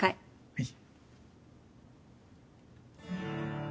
はい。